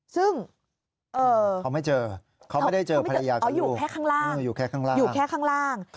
ซึ่งเขาไม่ได้เจอภรรยากับลูกอยู่แค่ข้างล่าง